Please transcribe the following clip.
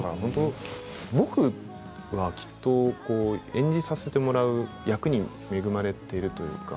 僕はきっと演じさせてもらう役に恵まれているというか